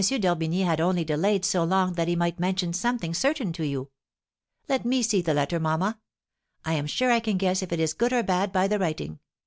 d'Orbigny had only delayed so long that he might mention something certain to you. Let me see the letter, mamma. I am sure I can guess if it is good or bad by the writing.